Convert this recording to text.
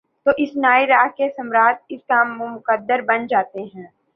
تو اس نئی راہ کے ثمرات اس کا مقدر بن جاتے ہیں ۔